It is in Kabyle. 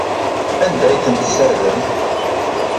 Anda ay tent-tessardemt?